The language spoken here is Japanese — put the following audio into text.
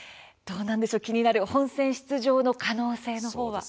気になる本選出場の可能性の方は。